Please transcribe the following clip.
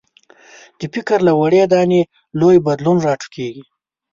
د فکر له وړې دانې لوی بدلون راټوکېږي.